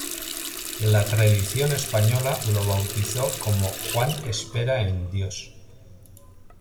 La tradición española lo bautizó como "Juan Espera en Dios".